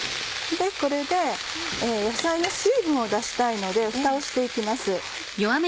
これで野菜の水分を出したいのでフタをして行きます。